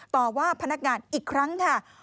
ต่อว่าพนักงานอีกครั้งค่ะ